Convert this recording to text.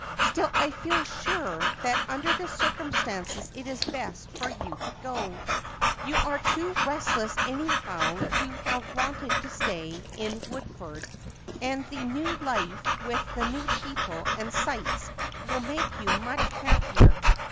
"Still I feel sure that under the circumstances it is best for you to go. You are too restless anyhow to have wanted to stay in Woodford and the new life with the new people and sights will make you much happier.